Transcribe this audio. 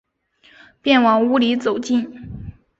便往屋里走进